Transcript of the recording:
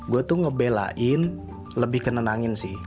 gue tuh ngebelain lebih ke nenangin sih